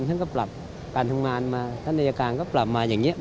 ท่านก็ปรับการทำงานมาท่านอายการก็ปรับมาอย่างนี้